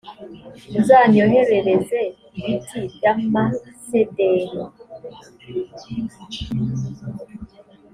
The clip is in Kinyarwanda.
uzanyoherereze ibiti by amasederi